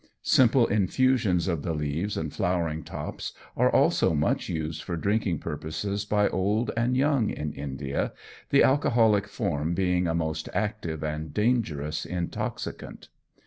Simple infusions of the leaves and flowering tops are also much used for drinking purposes by old and young in India, the alcoholic form being a most active and dangerous intoxicant.